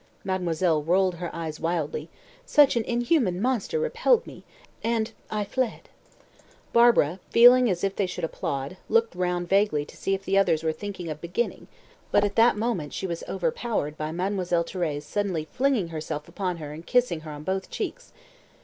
Mademoiselle rolled her eyes wildly. "Such an inhuman monster repelled me, and I fled." Barbara, feeling as if they should applaud, looked round vaguely to see if the others were thinking of beginning; but at that moment she was overpowered by Mademoiselle Thérèse suddenly flinging herself upon her and kissing her on both cheeks.